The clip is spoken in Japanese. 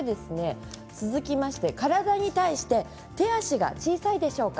続きまして、体に対して手足が小さいでしょうか。